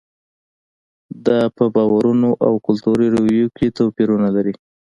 دا په باورونو او کلتوري رویو کې توپیرونه دي.